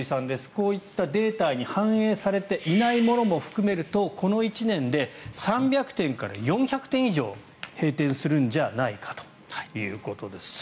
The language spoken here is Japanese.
こういったデータに反映されていないものも含めるとこの１年で３００店から４００店以上閉店するんじゃないかということです。